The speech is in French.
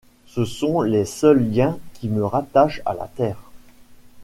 Ce sont les seuls liens qui me rattachent à la terre.